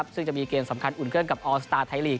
ซึ่งจะมีเกมสำคัญอุ่นเครื่องกับออสตาร์ไทยลีก